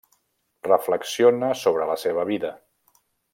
Reflexiona sobre la seva vida.